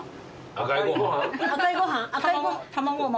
赤いご飯？